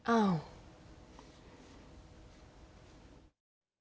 อ้าว